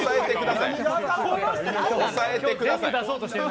抑えてください。